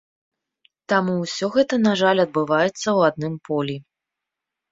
Таму ўсё гэта, на жаль, адбываецца ў адным полі.